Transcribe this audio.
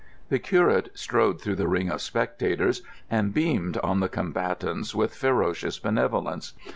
The curate strode through the ring of spectators and beamed on the combatants with ferocious benevolence.